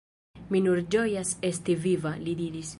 Mi nur ĝojas esti viva, – li diris.